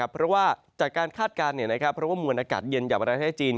เพราะว่าจากการคาดการณ์เพราะว่ามวลอากาศเย็นจากประเทศจีน